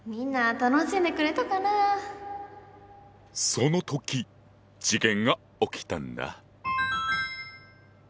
その時事件が起きたんだ。